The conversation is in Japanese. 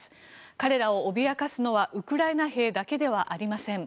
彼らを脅かすのはウクライナ兵だけではありません。